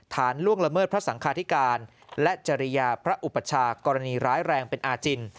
ล่วงละเมิดพระสังคาธิการและจริยาพระอุปชากรณีร้ายแรงเป็นอาจิน